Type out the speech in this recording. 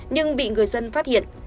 nhưng bị người dân phát hiện